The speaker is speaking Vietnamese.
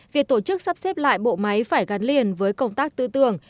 việc tổ chức sắp xếp lại bộ máy phải gắn liền với công tác tư tưởng